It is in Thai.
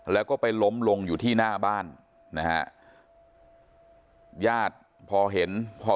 แล้วก็ไปล้มลงอยู่ที่หน้าบ้านย่าดพอเห็นพอรู้ข่าวกัน